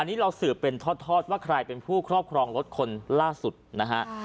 อันนี้เราสืบเป็นทอดว่าใครเป็นผู้ครอบครองรถคนล่าสุดนะฮะ